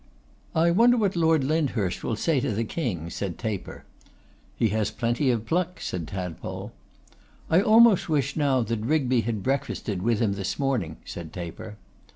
'I wonder what Lord Lyndhurst will say to the king,' said Taper. 'He has plenty of pluck,' said Tadpole. 'I almost wish now that Rigby had breakfasted with him this morning,' said Taper.